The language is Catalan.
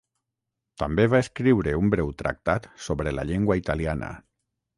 També va escriure un breu tractat sobre la llengua italiana.